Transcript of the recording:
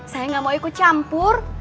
saya nggak mau ikut campur